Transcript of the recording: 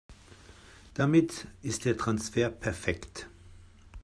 Damit ist der Transfer perfekt.